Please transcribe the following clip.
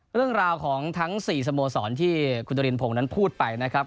เรื่องราวของทั้ง๔สโมสรที่คุณจรินพงศ์นั้นพูดไปนะครับ